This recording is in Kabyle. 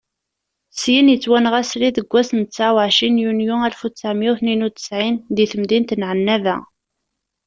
Syin, yettwanɣa srid deg wass n tesɛa uɛecrin yunyu alef u ttɛemya u tniyen u ttsɛin deg temdint n Ɛennaba.